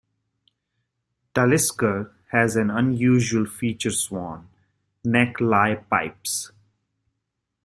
Talisker has an unusual feature-swan neck lye pipes.